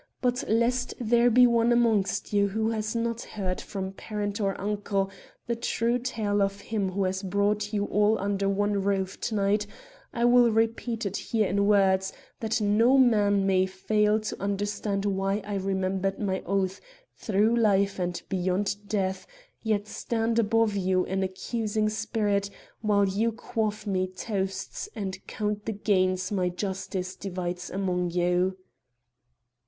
But lest there be one amongst you who has not heard from parent or uncle the true tale of him who has brought you all under one roof to night, I will repeat it here in words, that no man may fail to understand why I remembered my oath through life and beyond death, yet stand above you an accusing spirit while you quaff me toasts and count the gains my justice divides among you.